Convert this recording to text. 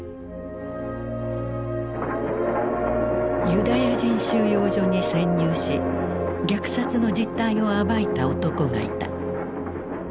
ユダヤ人収容所に潜入し虐殺の実態を暴いた男がいた。